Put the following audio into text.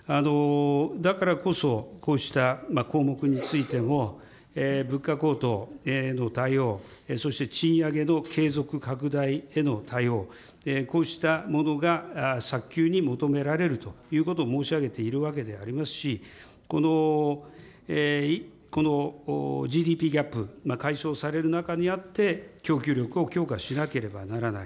だからこそ、こうした項目についても、物価高騰への対応、そして、賃上げの継続拡大への対応、こうしたものが早急に求められるということを申し上げているわけでありますし、このＧＤＰギャップ、解消される中にあって、供給力を強化しなければならない。